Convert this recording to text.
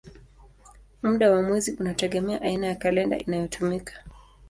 Muda wa mwezi unategemea aina ya kalenda inayotumika.